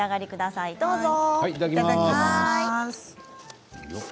いただきます。